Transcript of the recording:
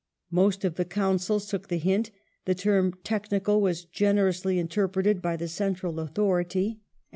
Most of the Councils took the hint ; the term " technical " was generously intei preted by the Central authority, and the 1 Mr. Arnold ap.